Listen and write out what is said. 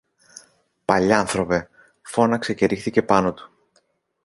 Παλιάνθρωπε! φώναξε και ρίχθηκε πάνω του